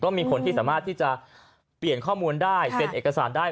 มีคนที่สามารถที่จะเปลี่ยนข้อมูลได้เซ็นเอกสารได้